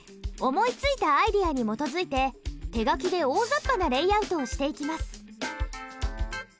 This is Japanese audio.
思いついたアイデアに基づいて手書きで大ざっぱなレイアウトをしていきます。